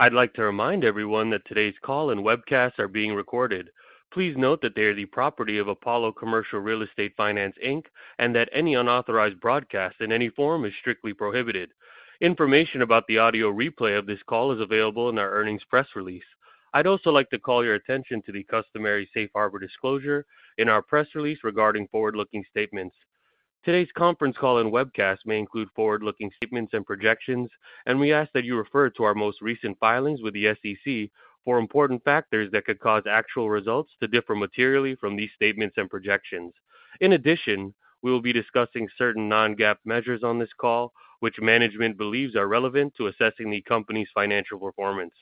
I'd like to remind everyone that today's call and webcast are being recorded. Please note that they are the property of Apollo Commercial Real Estate Finance, Inc., and that any unauthorized broadcast in any form is strictly prohibited. Information about the audio replay of this call is available in our earnings press release. I'd also like to call your attention to the customary safe harbor disclosure in our press release regarding forward-looking statements. Today's conference call and webcast may include forward-looking statements and projections, and we ask that you refer to our most recent filings with the SEC for important factors that could cause actual results to differ materially from these statements and projections. In addition, we will be discussing certain non-GAAP measures on this call, which management believes are relevant to assessing the company's financial performance.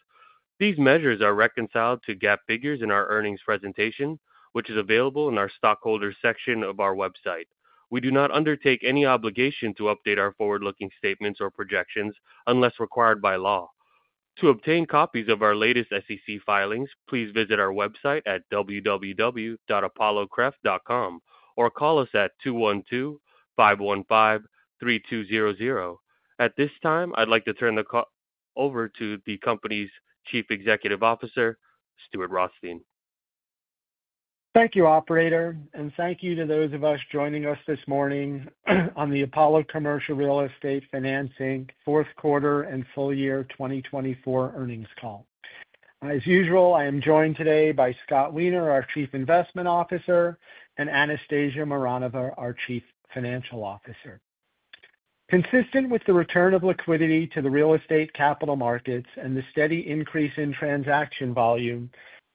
These measures are reconciled to GAAP figures in our earnings presentation, which is available in our stockholders' section of our website. We do not undertake any obligation to update our forward-looking statements or projections unless required by law. To obtain copies of our latest SEC filings, please visit our website at www.apollocref.com or call us at 212-515-3200. At this time, I'd like to turn the call over to the company's Chief Executive Officer, Stuart Rothstein. Thank you, Operator, and thank you to those of us joining us this morning on the Apollo Commercial Real Estate Finance, Inc. fourth quarter and full year 2024 earnings call. As usual, I am joined today by Scott Weiner, our Chief Investment Officer, and Anastasia Mironova, our Chief Financial Officer. Consistent with the return of liquidity to the real estate capital markets and the steady increase in transaction volume,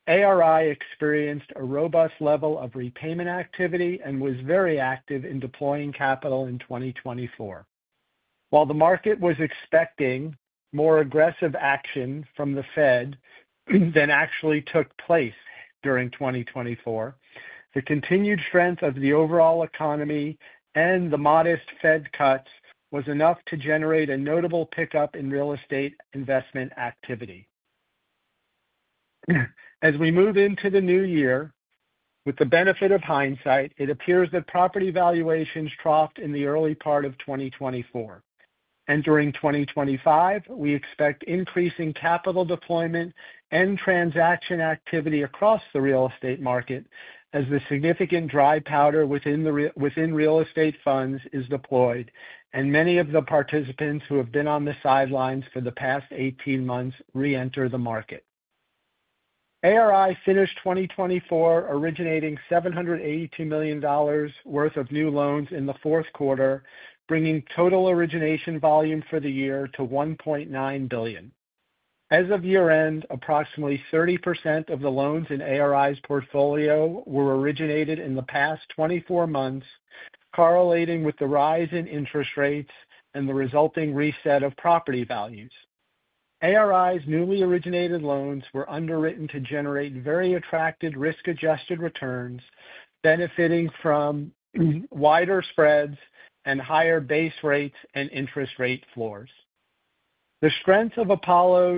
ARI experienced a robust level of repayment activity and was very active in deploying capital in 2024. While the market was expecting more aggressive action from the Fed than actually took place during 2024, the continued strength of the overall economy and the modest Fed cuts was enough to generate a notable pickup in real estate investment activity. As we move into the new year, with the benefit of hindsight, it appears that property valuations troughed in the early part of 2024. During 2025, we expect increasing capital deployment and transaction activity across the real estate market as the significant dry powder within real estate funds is deployed, and many of the participants who have been on the sidelines for the past 18 months re-enter the market. ARI finished 2024 originating $782 million worth of new loans in the fourth quarter, bringing total origination volume for the year to $1.9 billion. As of year-end, approximately 30% of the loans in ARI's portfolio were originated in the past 24 months, correlating with the rise in interest rates and the resulting reset of property values. ARI's newly originated loans were underwritten to generate very attractive risk-adjusted returns, benefiting from wider spreads and higher base rates and interest rate floors. The strength of Apollo's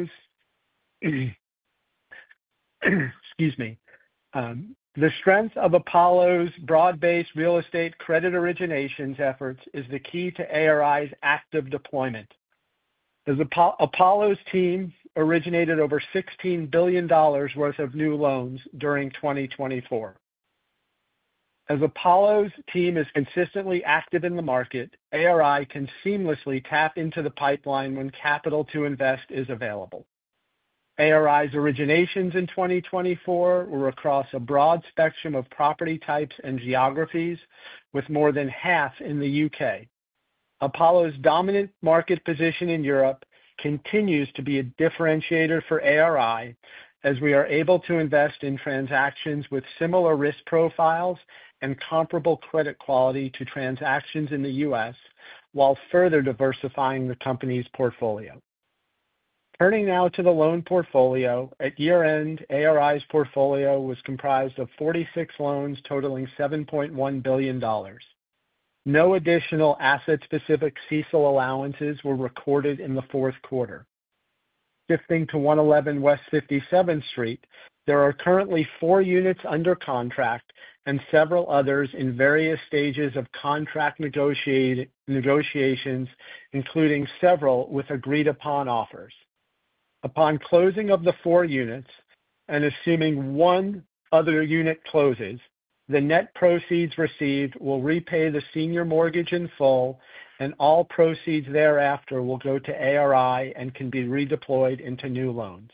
broad-based real estate credit originations efforts is the key to ARI's active deployment. Apollo's team originated over $16 billion worth of new loans during 2024. As Apollo's team is consistently active in the market, ARI can seamlessly tap into the pipeline when capital to invest is available. ARI's originations in 2024 were across a broad spectrum of property types and geographies, with more than half in the U.K. Apollo's dominant market position in Europe continues to be a differentiator for ARI, as we are able to invest in transactions with similar risk profiles and comparable credit quality to transactions in the U.S., while further diversifying the company's portfolio. Turning now to the loan portfolio, at year-end, ARI's portfolio was comprised of 46 loans totaling $7.1 billion. No additional asset-specific CECL allowances were recorded in the fourth quarter. Shifting to 111 West 57th Street, there are currently four units under contract and several others in various stages of contract negotiations, including several with agreed-upon offers. Upon closing of the four units and assuming one other unit closes, the net proceeds received will repay the senior mortgage in full, and all proceeds thereafter will go to ARI and can be redeployed into new loans.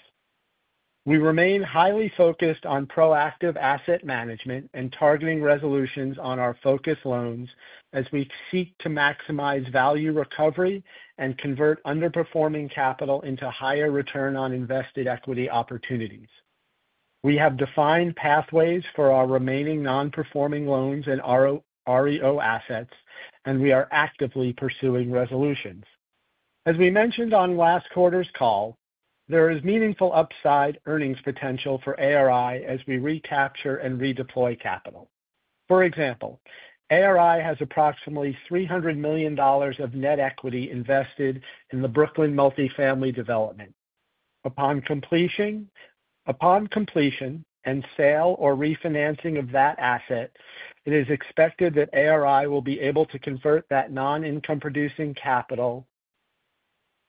We remain highly focused on proactive asset management and targeting resolutions on our focus loans as we seek to maximize value recovery and convert underperforming capital into higher return on invested equity opportunities. We have defined pathways for our remaining non-performing loans and REO assets, and we are actively pursuing resolutions. As we mentioned on last quarter's call, there is meaningful upside earnings potential for ARI as we recapture and redeploy capital. For example, ARI has approximately $300 million of net equity invested in the Brooklyn multifamily development. Upon completion and sale or refinancing of that asset, it is expected that ARI will be able to convert that non-income-producing capital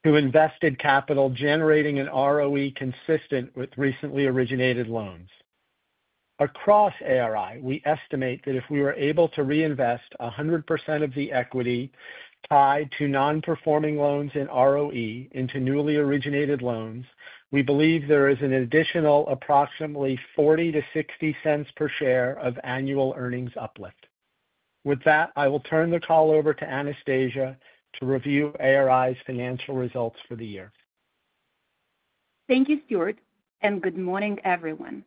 to invested capital, generating an ROE consistent with recently originated loans. Across ARI, we estimate that if we were able to reinvest 100% of the equity tied to non-performing loans in ROE into newly originated loans, we believe there is an additional approximately $0.40-$0.60 per share of annual earnings uplift. With that, I will turn the call over to Anastasia to review ARI's financial results for the year. Thank you, Stuart, and good morning, everyone.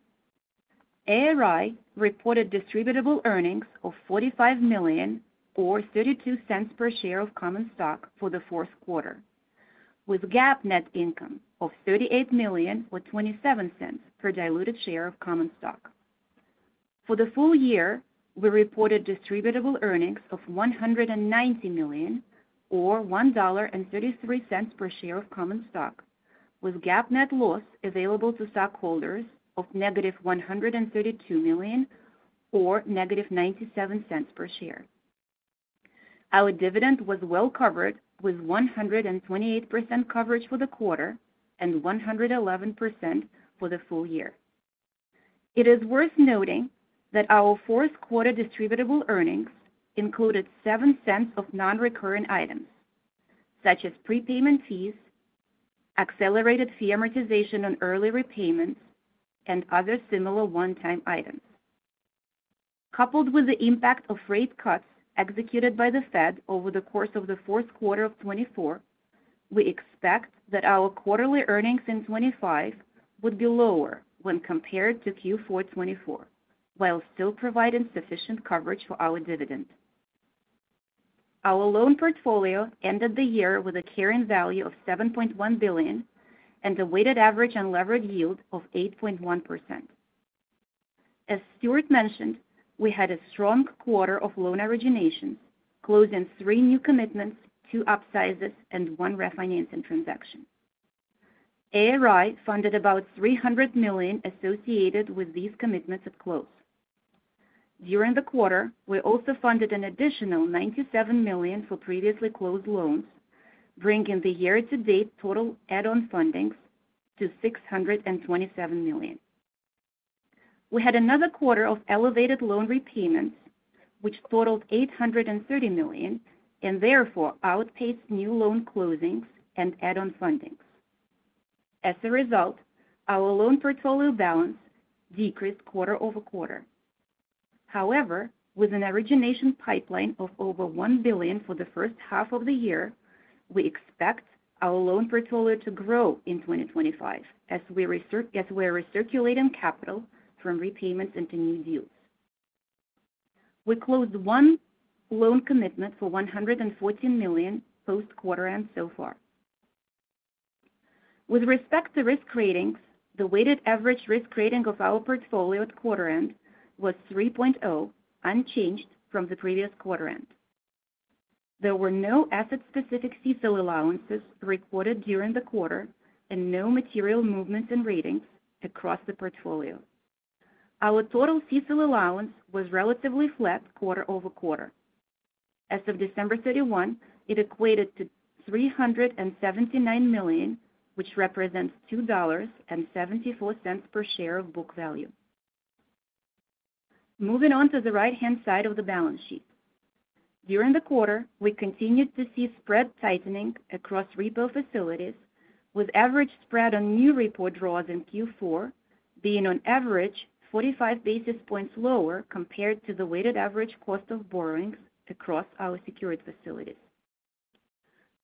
ARI reported distributable earnings of $45 million or $0.32 per share of common stock for the fourth quarter, with GAAP net income of $38 million or $0.27 per diluted share of common stock. For the full year, we reported distributable earnings of $190 million or $1.33 per share of common stock, with GAAP net loss available to stockholders of $-132 million or $-0.97 per share. Our dividend was well covered, with 128% coverage for the quarter and 111% for the full year. It is worth noting that our fourth quarter distributable earnings included $0.07 of non-recurring items, such as prepayment fees, accelerated fee amortization on early repayments, and other similar one-time items. Coupled with the impact of rate cuts executed by the Fed over the course of the fourth quarter of 2024, we expect that our quarterly earnings in 2025 would be lower when compared to Q4 2024, while still providing sufficient coverage for our dividend. Our loan portfolio ended the year with a carrying value of $7.1 billion and a weighted average unleveraged yield of 8.1%. As Stuart mentioned, we had a strong quarter of loan originations, closing three new commitments, two upsizes, and one refinancing transaction. ARI funded about $300 million associated with these commitments at close. During the quarter, we also funded an additional $97 million for previously closed loans, bringing the year-to-date total add-on fundings to $627 million. We had another quarter of elevated loan repayments, which totaled $830 million and therefore outpaced new loan closings and add-on fundings. As a result, our loan portfolio balance decreased quarter-over-quarter. However, with an origination pipeline of over $1 billion for the first half of the year, we expect our loan portfolio to grow in 2025 as we're recirculating capital from repayments into new deals. We closed one loan commitment for $114 million post-quarter-end so far. With respect to risk ratings, the weighted average risk rating of our portfolio at quarter-end was 3.0, unchanged from the previous quarter-end. There were no asset-specific CECL allowances recorded during the quarter and no material movements in ratings across the portfolio. Our total CECL allowance was relatively flat quarter-over-quarter. As of December 31, it equated to $379 million, which represents $2.74 per share of book value. Moving on to the right-hand side of the balance sheet. During the quarter, we continued to see spread tightening across repo facilities, with average spread on new repo draws in Q4 being on average 45 basis points lower compared to the weighted average cost of borrowings across our secured facilities.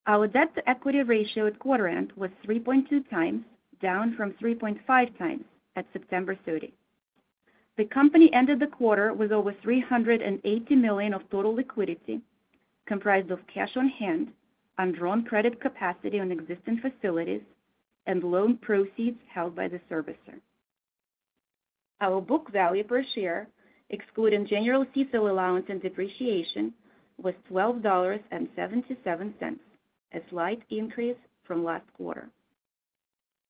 Our debt-to-equity ratio at quarter-end was 3.2x, down from 3.5x at September 30. The company ended the quarter with over $380 million of total liquidity, comprised of cash on hand, undrawn credit capacity on existing facilities, and loan proceeds held by the servicer. Our book value per share, excluding general CECL allowance and depreciation, was $12.77, a slight increase from last quarter.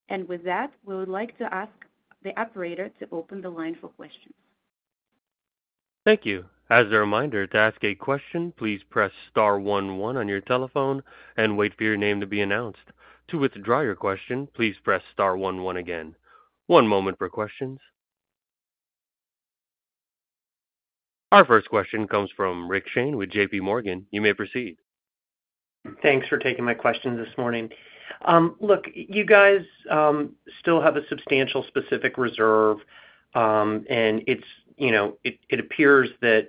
And with that, we would like to ask the Operator to open the line for questions. Thank you. As a reminder, to ask a question, please press star 11 on your telephone and wait for your name to be announced. To withdraw your question, please press star 11 again. One moment for questions. Our first question comes from Rick Shane with JPMorgan. You may proceed. Thanks for taking my questions this morning. Look, you guys still have a substantial specific reserve, and it appears that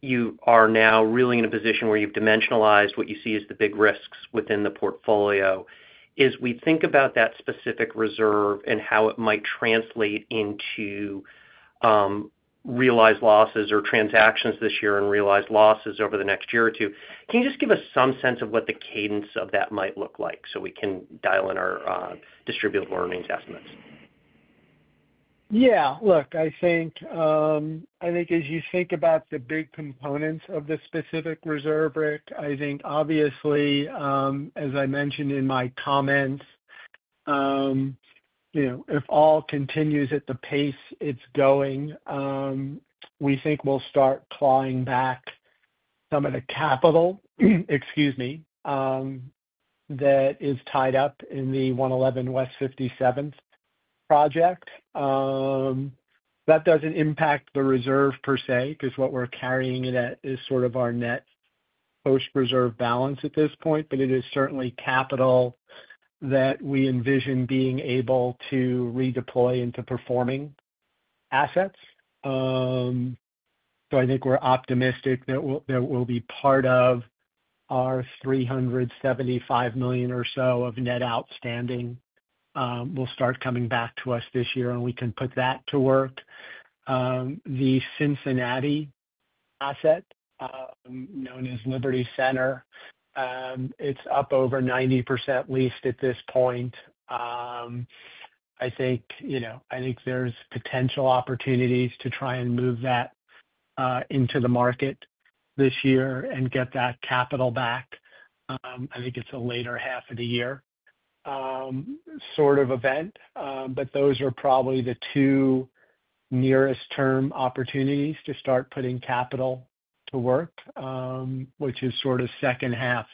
you are now really in a position where you've dimensionalized what you see as the big risks within the portfolio. As we think about that specific reserve and how it might translate into realized losses or transactions this year and realized losses over the next year or two, can you just give us some sense of what the cadence of that might look like so we can dial in our distributable earnings estimates? Yeah. Look, I think as you think about the big components of the specific reserve, Rick, I think obviously, as I mentioned in my comments, if all continues at the pace it's going, we think we'll start clawing back some of the capital, excuse me, that is tied up in the 111 West 57th project. That doesn't impact the reserve per se because what we're carrying it at is sort of our net post-reserve balance at this point, but it is certainly capital that we envision being able to redeploy into performing assets. So I think we're optimistic that what will be part of our $375 million or so of net outstanding will start coming back to us this year, and we can put that to work. The Cincinnati asset, known as Liberty Center, it's up over 90% leased at this point. I think there's potential opportunities to try and move that into the market this year and get that capital back. I think it's a later half of the year sort of event, but those are probably the two nearest-term opportunities to start putting capital to work, which is sort of second half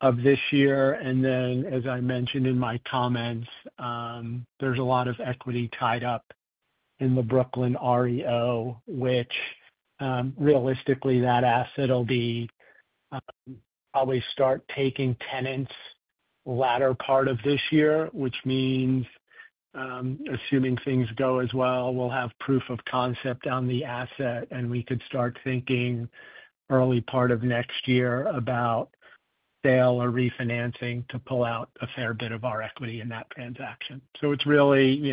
of this year, and then, as I mentioned in my comments, there's a lot of equity tied up in the Brooklyn REO, which realistically, that asset will probably start taking tenants latter part of this year, which means, assuming things go as well, we'll have proof of concept on the asset, and we could start thinking early part of next year about sale or refinancing to pull out a fair bit of our equity in that transaction. So it's really,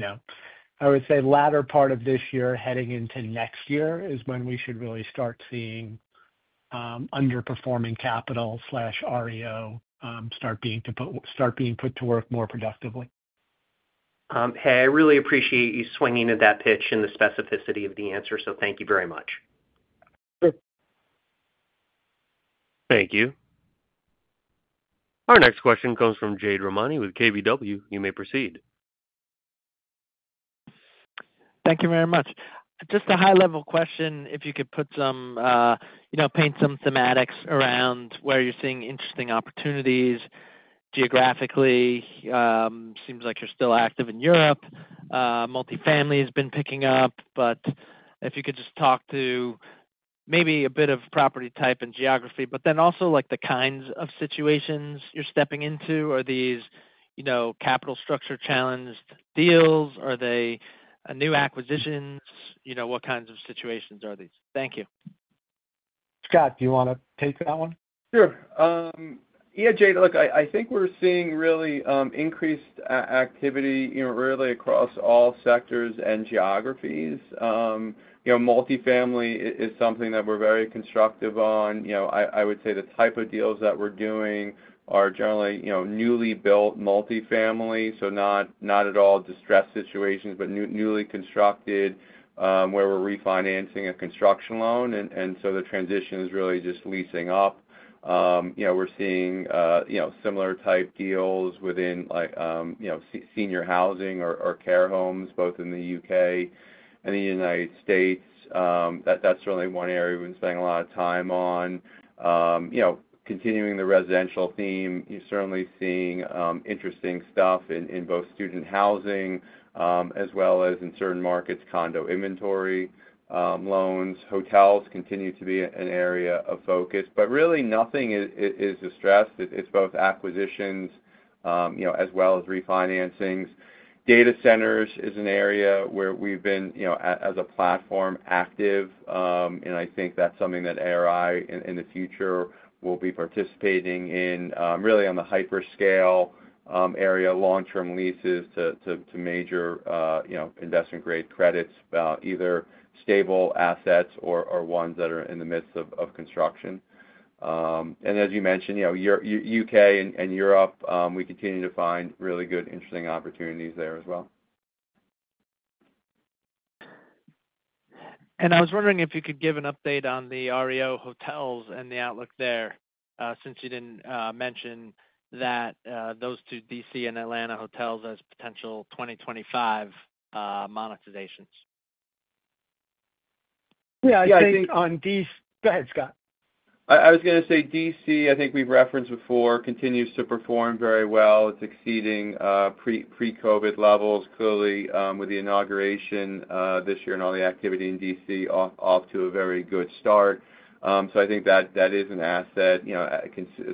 I would say, latter part of this year heading into next year is when we should really start seeing underperforming capital/REO start being put to work more productively. Hey, I really appreciate you swinging at that pitch and the specificity of the answer, so thank you very much. Sure. Thank you. Our next question comes from Jade Rahmani with KBW. You may proceed. Thank you very much. Just a high-level question, if you could paint some thematics around where you're seeing interesting opportunities geographically? Seems like you're still active in Europe. Multifamily has been picking up, but if you could just talk to maybe a bit of property type and geography, but then also the kinds of situations you're stepping into? Are these capital structure challenged deals? Are they new acquisitions? What kinds of situations are these? Thank you. Scott, do you want to take that one? Sure. Yeah, Jade, look, I think we're seeing really increased activity really across all sectors and geographies. Multifamily is something that we're very constructive on. I would say the type of deals that we're doing are generally newly built multifamily, so not at all distressed situations, but newly constructed where we're refinancing a construction loan. And so the transition is really just leasing up. We're seeing similar-type deals within senior housing or care homes, both in the U.K. and the United States. That's really one area we've been spending a lot of time on. Continuing the residential theme, you're certainly seeing interesting stuff in both student housing as well as, in certain markets, condo inventory loans. Hotels continue to be an area of focus, but really nothing is distressed. It's both acquisitions as well as refinancings. Data centers is an area where we've been, as a platform, active, and I think that's something that ARI, in the future, will be participating in, really on the hyperscale area, long-term leases to major investment-grade credits, either stable assets or ones that are in the midst of construction. And as you mentioned, U.K. and Europe, we continue to find really good, interesting opportunities there as well. I was wondering if you could give an update on the REO hotels and the outlook there, since you didn't mention those two D.C. and Atlanta hotels as potential 2025 monetizations? Yeah, I think on D.C., go ahead, Scott. I was going to say D.C., I think we've referenced before, continues to perform very well. It's exceeding pre-COVID levels. Clearly, with the inauguration this year and all the activity in D.C., off to a very good start. So I think that is an asset,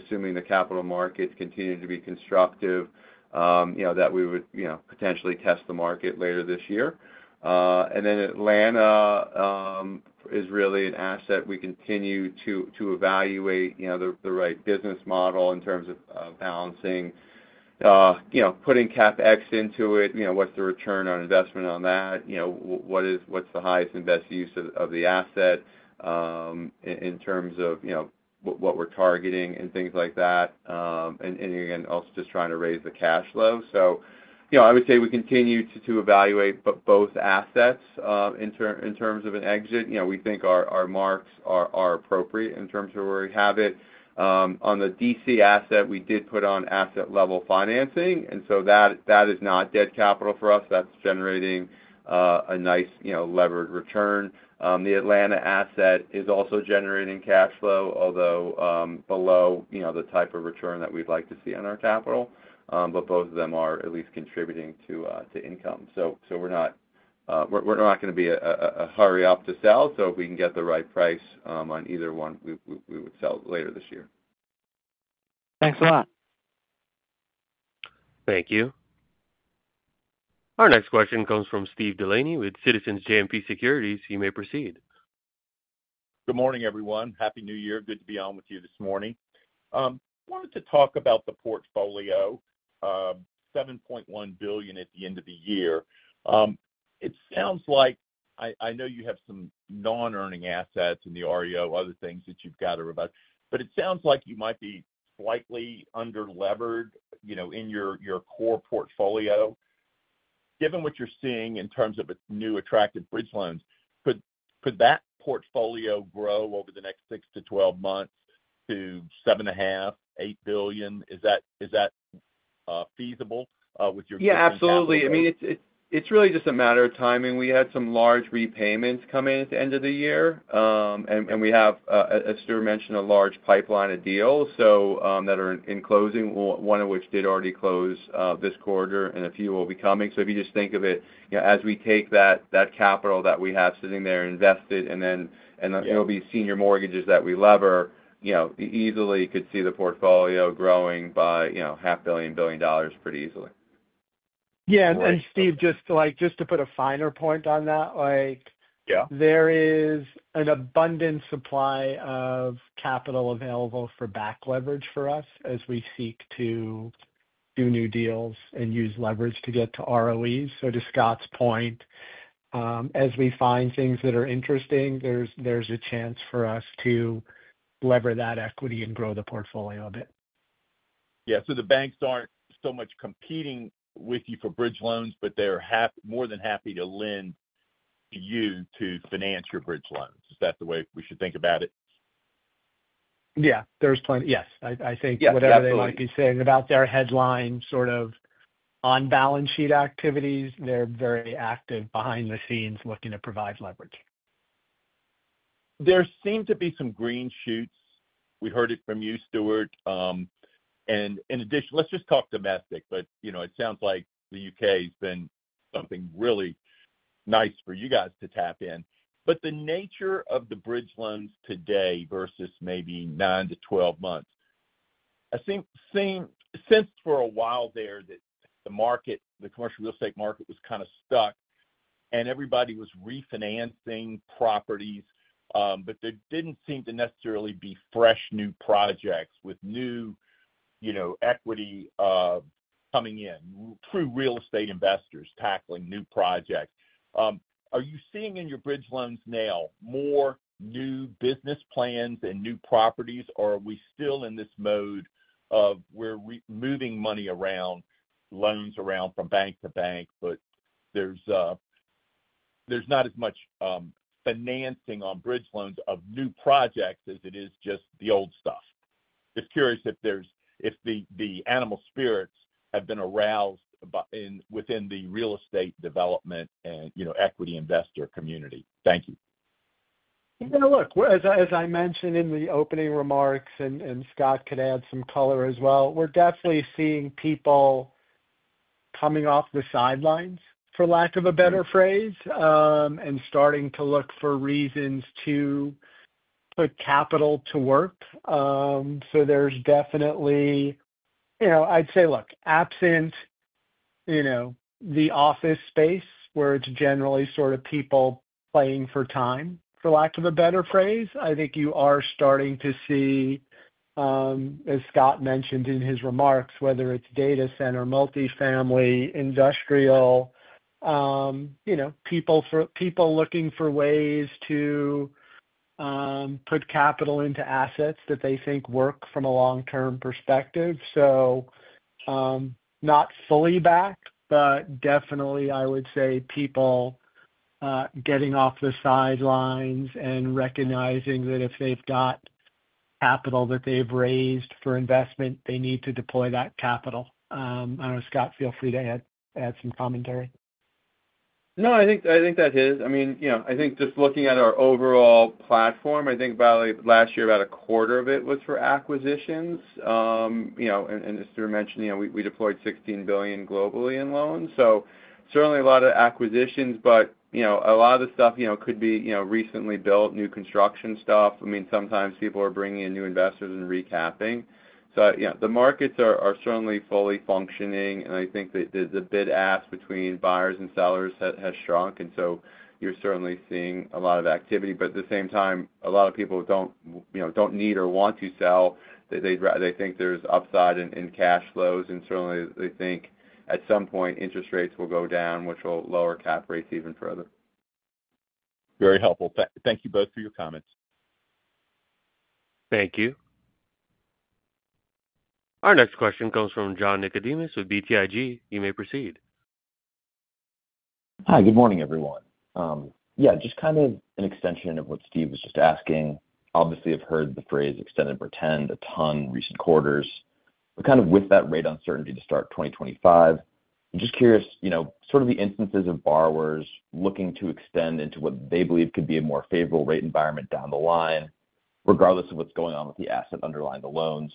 assuming the capital markets continue to be constructive, that we would potentially test the market later this year. And then Atlanta is really an asset. We continue to evaluate the right business model in terms of balancing, putting CapEx into it. What's the return on investment on that? What's the highest and best use of the asset in terms of what we're targeting and things like that? And again, also just trying to raise the cash flow. So I would say we continue to evaluate both assets in terms of an exit. We think our marks are appropriate in terms of where we have it. On the D.C. asset, we did put on asset-level financing, and so that is not dead capital for us. That's generating a nice levered return. The Atlanta asset is also generating cash flow, although below the type of return that we'd like to see on our capital, but both of them are at least contributing to income, so we're not going to be in a hurry to sell, so if we can get the right price on either one, we would sell later this year. Thanks a lot. Thank you. Our next question comes from Steve Delaney with Citizens JMP Securities. You may proceed. Good morning, everyone. Happy New Year. Good to be on with you this morning. I wanted to talk about the portfolio, $7.1 billion at the end of the year. It sounds like, I know you have some non-earning assets in the REO, other things that you've got to rebut, but it sounds like you might be slightly under-levered in your core portfolio. Given what you're seeing in terms of new attractive bridge loans, could that portfolio grow over the next 6 months-12 months to $7.5 billion-$8 billion? Is that feasible with your? Yeah, absolutely. I mean, it's really just a matter of timing. We had some large repayments come in at the end of the year, and we have, as Stuart mentioned, a large pipeline of deals that are in closing, one of which did already close this quarter, and a few will be coming. So if you just think of it as we take that capital that we have sitting there invested, and then it'll be senior mortgages that we leverage, easily could see the portfolio growing by $500 million-$1 billion pretty easily. Yeah. And Steve, just to put a finer point on that, there is an abundant supply of capital available for back leverage for us as we seek to do new deals and use leverage to get to ROEs. So to Scott's point, as we find things that are interesting, there's a chance for us to lever that equity and grow the portfolio a bit. Yeah. So the banks aren't so much competing with you for bridge loans, but they're more than happy to lend to you to finance your bridge loans. Is that the way we should think about it? Yeah. Yes. I think whatever they might be saying about their headline sort of on-balance sheet activities, they're very active behind the scenes looking to provide leverage. There seem to be some green shoots. We heard it from you, Stuart. And in addition, let's just talk domestic, but it sounds like the U.K. has been something really nice for you guys to tap in. But the nature of the bridge loans today versus maybe nine months-12 months, I think since for a while there that the commercial real estate market was kind of stuck and everybody was refinancing properties, but there didn't seem to necessarily be fresh new projects with new equity coming in, true real estate investors tackling new projects. Are you seeing in your bridge loans now more new business plans and new properties, or are we still in this mode of we're moving money around, loans around from bank to bank, but there's not as much financing on bridge loans of new projects as it is just the old stuff? Just curious if the animal spirits have been aroused within the real estate development and equity investor community. Thank you. Yeah. Look, as I mentioned in the opening remarks, and Scott could add some color as well, we're definitely seeing people coming off the sidelines, for lack of a better phrase, and starting to look for reasons to put capital to work. So there's definitely, I'd say, look, absent the office space where it's generally sort of people playing for time, for lack of a better phrase, I think you are starting to see, as Scott mentioned in his remarks, whether it's data center, multifamily, industrial, people looking for ways to put capital into assets that they think work from a long-term perspective. So not fully back, but definitely, I would say people getting off the sidelines and recognizing that if they've got capital that they've raised for investment, they need to deploy that capital. I don't know, Scott, feel free to add some commentary. No, I think that is. I mean, I think just looking at our overall platform, I think last year about a quarter of it was for acquisitions, and as Stuart mentioned, we deployed $16 billion globally in loans. So certainly a lot of acquisitions, but a lot of the stuff could be recently built, new construction stuff. I mean, sometimes people are bringing in new investors and recapping. So the markets are certainly fully functioning, and I think the bid-ask between buyers and sellers has shrunk, and so you're certainly seeing a lot of activity, but at the same time, a lot of people don't need or want to sell. They think there's upside in cash flows, and certainly they think at some point interest rates will go down, which will lower cap rates even further. Very helpful. Thank you both for your comments. Thank you. Our next question comes from John Nicodemus with BTIG. You may proceed. Hi, good morning, everyone. Yeah, just kind of an extension of what Steve was just asking. Obviously, I've heard the phrase "extend and pretend" a ton in recent quarters. We're kind of with that rate uncertainty to start 2025. I'm just curious sort of the instances of borrowers looking to extend into what they believe could be a more favorable rate environment down the line, regardless of what's going on with the asset underlying the loans.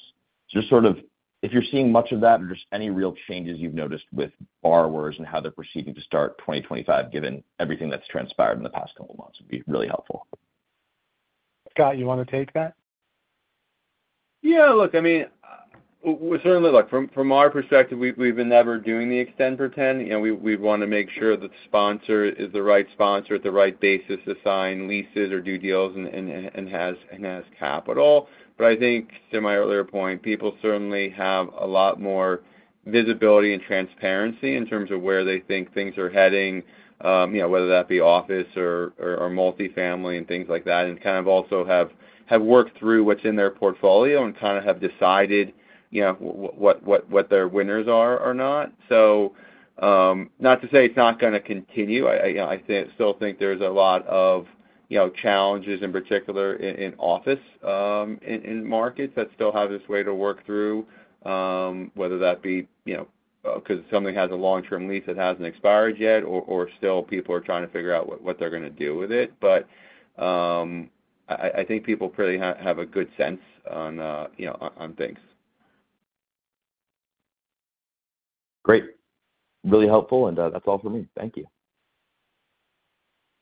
Just sort of if you're seeing much of that or just any real changes you've noticed with borrowers and how they're proceeding to start 2025, given everything that's transpired in the past couple of months, would be really helpful. Scott, you want to take that? Yeah. Look, I mean, certainly from our perspective, we've been never doing the extend and pretend. We want to make sure that the sponsor is the right sponsor at the right basis to sign leases or do deals and has capital. But I think, to my earlier point, people certainly have a lot more visibility and transparency in terms of where they think things are heading, whether that be office or multifamily and things like that, and kind of also have worked through what's in their portfolio and kind of have decided what their winners are or not. So not to say it's not going to continue. I still think there's a lot of challenges, in particular, in office markets, that still have this way to work through, whether that be because something has a long-term lease that hasn't expired yet or still people are trying to figure out what they're going to do with it. But I think people have a pretty good sense on things. Great. Really helpful, and that's all for me. Thank you.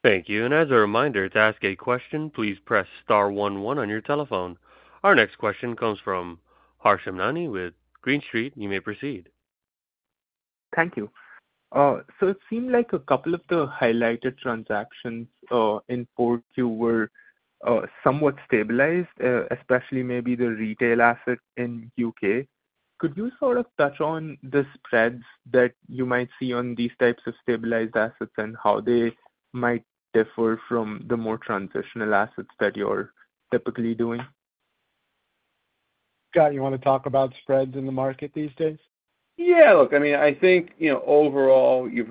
Thank you. And as a reminder, to ask a question, please press star 11 on your telephone. Our next question comes from Harsh Hemnani with Green Street. You may proceed. Thank you. So it seemed like a couple of the highlighted transactions in portfolio were somewhat stabilized, especially maybe the retail asset in U.K. Could you sort of touch on the spreads that you might see on these types of stabilized assets and how they might differ from the more transitional assets that you're typically doing? Scott, you want to talk about spreads in the market these days? Yeah. Look, I mean, I think overall you'll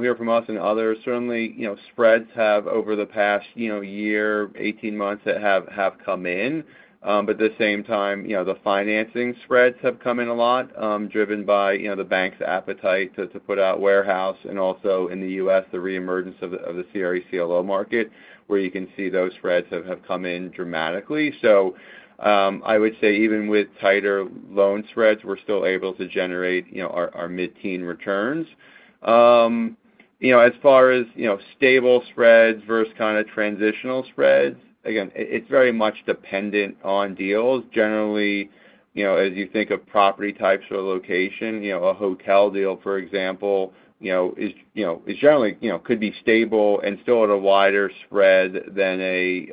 hear from us and others. Certainly, spreads have over the past year, 18 months that have come in. But at the same time, the financing spreads have come in a lot, driven by the bank's appetite to put out warehouse. And also in the U.S., the reemergence of the CRE CLO market, where you can see those spreads have come in dramatically. So I would say even with tighter loan spreads, we're still able to generate our mid-teen returns. As far as stable spreads versus kind of transitional spreads, again, it's very much dependent on deals. Generally, as you think of property types or location, a hotel deal, for example, is generally could be stable and still at a wider spread than a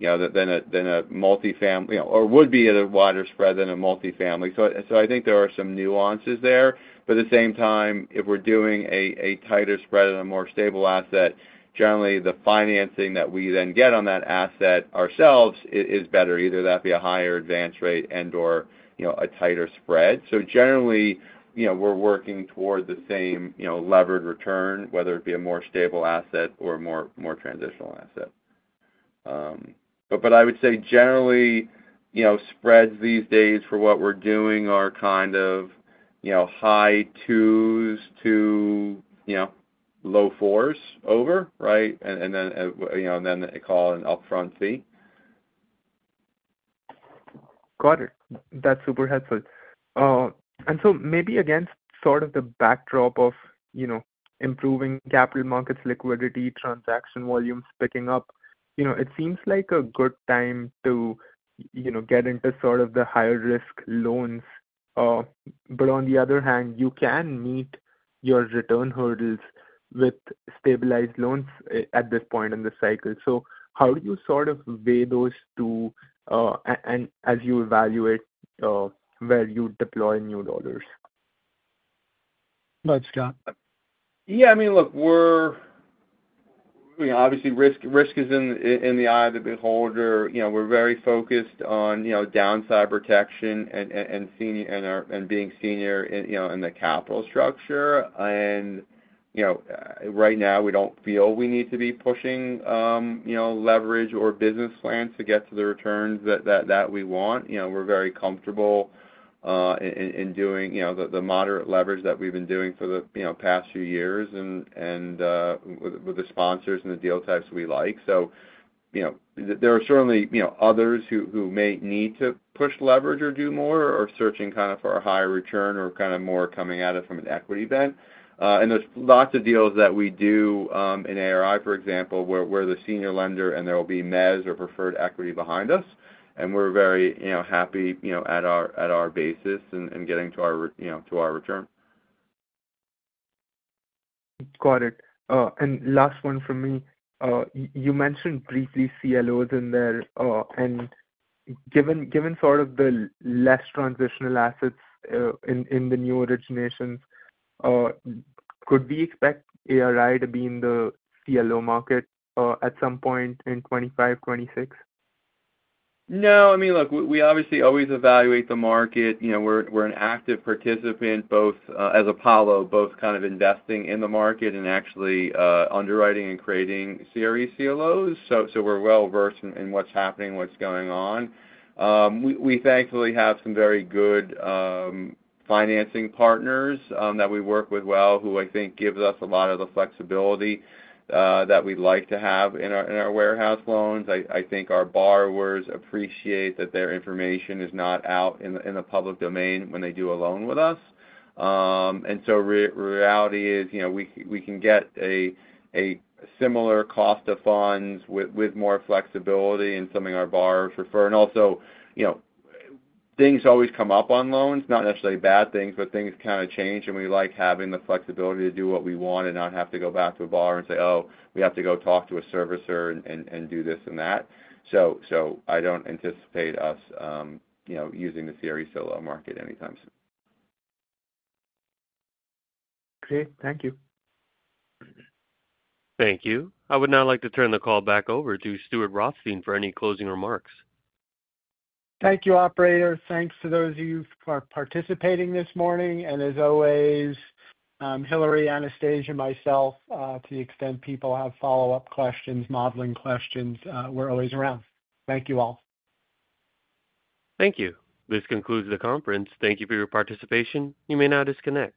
multifamily or would be at a wider spread than a multifamily. So I think there are some nuances there. But at the same time, if we're doing a tighter spread and a more stable asset, generally the financing that we then get on that asset ourselves is better, either that be a higher advance rate and/or a tighter spread. So generally, we're working toward the same levered return, whether it be a more stable asset or a more transitional asset. But I would say generally, spreads these days for what we're doing are kind of high twos to low fours over, right? And then they call an upfront fee. Got it. That's super helpful, and so maybe against sort of the backdrop of improving capital markets, liquidity, transaction volumes picking up, it seems like a good time to get into sort of the higher risk loans, but on the other hand, you can meet your return hurdles with stabilized loans at this point in the cycle, so how do you sort of weigh those two as you evaluate where you deploy new dollars? No, Scott. Yeah. I mean, look, obviously, risk is in the eye of the beholder. We're very focused on downside protection and being senior in the capital structure. And right now, we don't feel we need to be pushing leverage or business plans to get to the returns that we want. We're very comfortable in doing the moderate leverage that we've been doing for the past few years and with the sponsors and the deal types we like. So there are certainly others who may need to push leverage or do more or searching kind of for a higher return or kind of more coming at it from an equity bent. And there's lots of deals that we do in ARI, for example, where the senior lender and there will be mezz or preferred equity behind us. And we're very happy at our basis and getting to our return. Got it. And last one from me. You mentioned briefly CLOs in there. And given sort of the less transitional assets in the new originations, could we expect ARI to be in the CLO market at some point in 2025, 2026? No. I mean, look, we obviously always evaluate the market. We're an active participant, both as Apollo, both kind of investing in the market and actually underwriting and creating CRE CLOs. So we're well versed in what's happening, what's going on. We thankfully have some very good financing partners that we work with well who I think give us a lot of the flexibility that we'd like to have in our warehouse loans. I think our borrowers appreciate that their information is not out in the public domain when they do a loan with us. And so reality is we can get a similar cost of funds with more flexibility and something our borrowers prefer. And also, things always come up on loans, not necessarily bad things, but things kind of change. And we like having the flexibility to do what we want and not have to go back to a borrower and say, "Oh, we have to go talk to a servicer and do this and that." So I don't anticipate us using the CRE CLO market anytime soon. Great. Thank you. Thank you. I would now like to turn the call back over to Stuart Rothstein for any closing remarks. Thank you, Operator. Thanks to those of you for participating this morning. And as always, Hilary, Anastasia, myself, to the extent people have follow-up questions, modeling questions, we're always around. Thank you all. Thank you. This concludes the conference. Thank you for your participation. You may now disconnect.